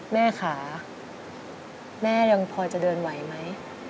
แม่ค่ะแม่ยังพอจะเดินไหวไหม